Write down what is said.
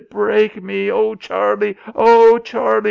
It'd break me. Oh! Charlie! Oh Charlie!